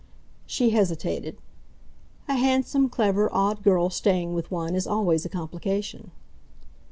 She hesitated. "A handsome, clever, odd girl staying with one is always a complication."